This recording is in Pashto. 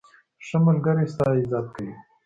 ښه ملګری ستا عزت کوي.